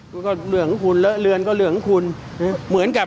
แล้วก็เหลืองข้างคุณเรือนก็เหลืองข้างคุณเหมือนกับ